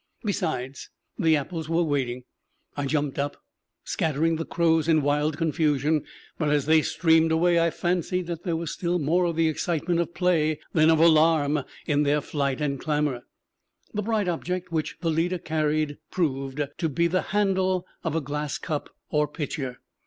Besides, the apples were waiting. I jumped up, scattering the crows in wild confusion; but as they streamed away I fancied that there was still more of the excitement of play than of alarm in their flight and clamor. The bright object which the leader carried proved to be the handle of a glass cup or pitcher.